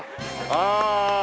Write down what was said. ああ。